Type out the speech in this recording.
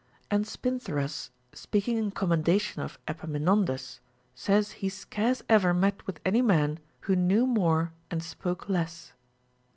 And Si)intharus, speaking in commendation of Epaminondas, says he scarce OF HEARING. 445 ever met λυιΛ any man who kneAV more and spoke less.